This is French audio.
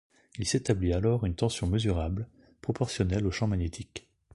Il s'établit alors une tension mesurable, proportionnelle au champ magnétique.